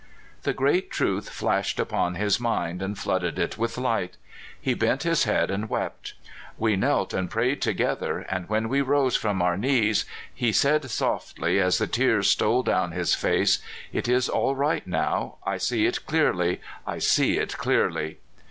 ^'' The great truth flashed upon his mind and flooded it with light. He bent his head and wept. We knelt and prayed together, and when we rose from our knees he said softly, as the tears stole down his face: " It is all right now; I see it clear ly; I see it clearly!